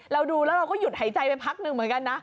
เราดูแล้วเราก็หยุดหายใจไปพักหนึ่งเหมือนกันนะ